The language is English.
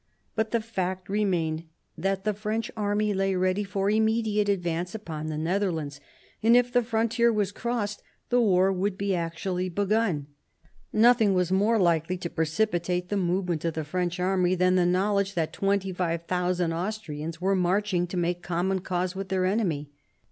But the fact remained that the French army lay ready for immediate advance upon the Netherlands, and if the frontier was crossed, the war would be actually begun. Nothing was more likely to precipitate the movement of the French army than the knowledge that 25,000 Austrians were marching to make common cause with their enemy.